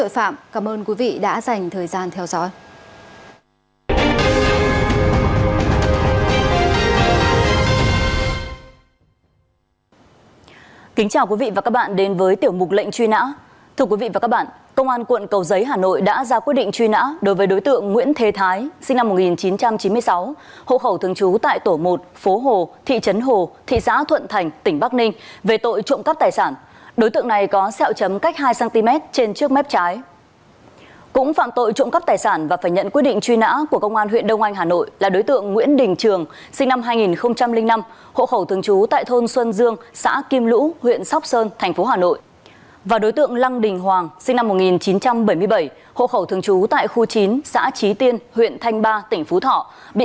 phần cuối là những thông tin truy nã tội phạm cảm ơn quý vị đã dành thời gian theo dõi